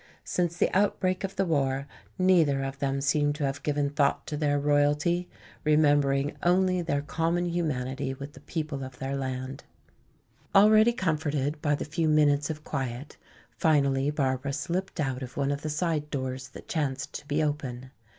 Since the outbreak of the war neither of them seem to have given thought to their royalty, remembering only their common humanity with the people of their land. Already comforted by the few minutes of quiet, finally Barbara slipped out of one of the side doors that chanced to be open.